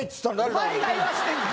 お前が言わしてんだろ